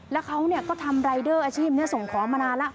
แล้วเขาก็ทำรายเดอร์อาชีพนี้ส่งของมานานแล้ว